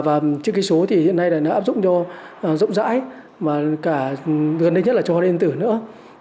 và chữ ký số thì hiện nay đã áp dụng cho rộng rãi và gần đây nhất là cho hóa điện tử nữa